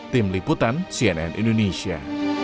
tim liputan cnn indonesia